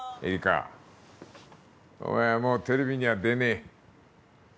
えりか、お前はもうテレビには出ねえ。